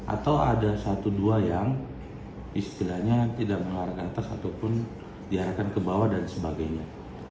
atau ada satu dua yang istilahnya tidak mengarah ke atas ataupun diarahkan ke bawah dan sebagainya